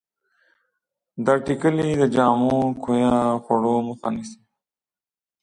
دا ټېکلې د جامو کویه خوړو مخه نیسي.